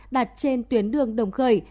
đặt trên tuyến đường đồng khời